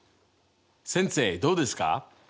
先生どうですか？